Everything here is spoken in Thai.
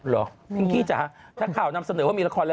พิงกี้จ๋าถ้าข่าวนำเสนอว่ามีละครแล้ว